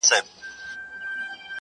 نورې خبري وکړي خو ذهن نه پرېږدي،